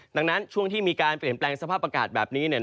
ดังนั้นช่วงที่มีการเปลี่ยนแปลงสภาพอากาศแบบนี้